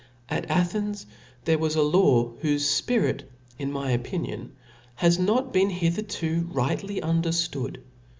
..At Athens there was a law, whofc fpirit, in my opinion, has no( been hitherto rightly underftood.